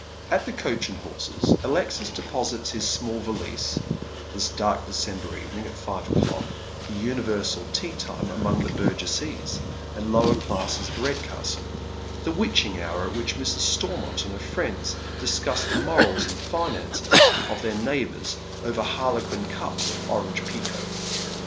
At the " Coach and Horses " Alexis deposits his small valise this dark December evening at five o'clock, the universal tea time among the burgesses and lower classes of Redcastle, the witching hour at which Mrs. Storaiont and her friends discuss the morals and finances of their neighbours over harlequin cups of orange pekoe.